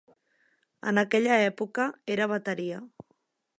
En aquella època, era bateria.